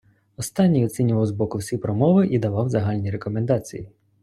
Останній оцінював з боку всі промови і давав загальні рекомендації.